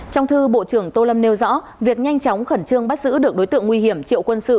trong thư bộ trưởng tô lâm nêu rõ việc nhanh chóng khẩn trương bắt giữ được đối tượng nguy hiểm triệu quân sự